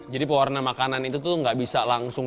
jadi pewarna makanan itu tuh gak bisa langsung